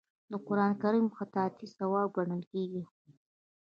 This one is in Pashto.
د قران کریم خطاطي ثواب ګڼل کیږي.